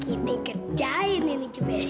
kita kerjain ini cepet